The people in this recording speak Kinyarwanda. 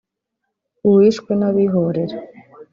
uwishwe n’abihorera